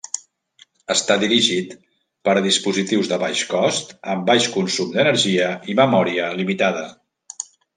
Està dirigit per a dispositius de baix cost amb baix consum d'energia i memòria limitada.